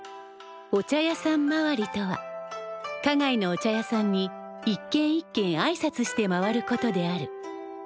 お茶屋さん回りとは花街のお茶屋さんに一軒一軒挨拶して回ることである。